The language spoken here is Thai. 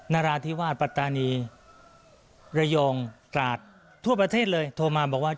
นาราธิวาสปัตตานีระยองตราดทั่วประเทศเลยโทรมาบอกว่า